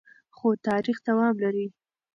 خو تاریخ دوام لري.